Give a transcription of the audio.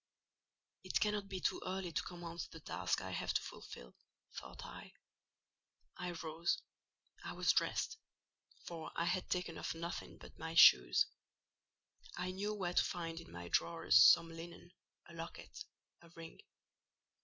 "It cannot be too early to commence the task I have to fulfil," thought I. I rose: I was dressed; for I had taken off nothing but my shoes. I knew where to find in my drawers some linen, a locket, a ring.